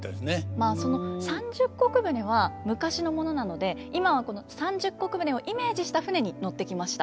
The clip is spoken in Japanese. まあその三十石船は昔のものなので今は三十石船をイメージした船に乗ってきました。